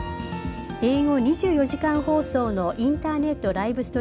英語２４時間放送のインターネットライブ